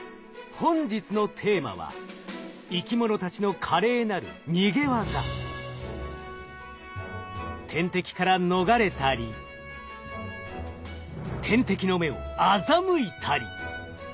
本日のテーマは生き物たちの天敵から逃れたり天敵の目を欺いたり。